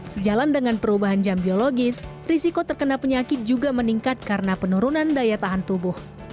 sejalan dengan perubahan jam biologis risiko terkena penyakit juga meningkat karena penurunan daya tahan tubuh